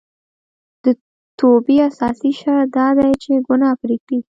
د توبې اساسي شرط دا دی چې ګناه پريږدي